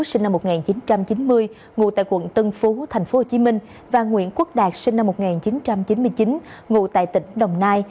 sinh năm một nghìn chín trăm chín mươi ngụ tại quận tân phú tp hcm và nguyễn quốc đạt sinh năm một nghìn chín trăm chín mươi chín ngụ tại tỉnh đồng nai